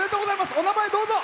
お名前、どうぞ。